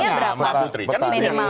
baiknya berapa minimalnya